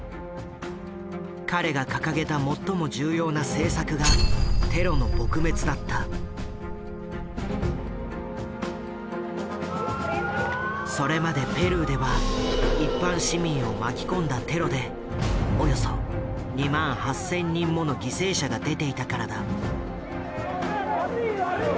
彼が掲げた最も重要な政策がそれまでペルーでは一般市民を巻き込んだテロでおよそ２万８０００人もの犠牲者が出ていたからだ。